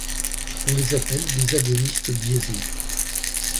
On les appelle des agonistes biaisés.